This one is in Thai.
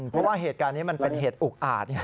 เพราะว่าเหตุการณ์นี้มันเป็นเหตุอุกอาจ